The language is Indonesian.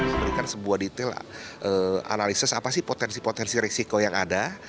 memberikan sebuah detail analisis apa sih potensi potensi risiko yang ada